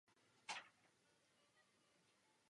Je načase přestat používat dvojí metr.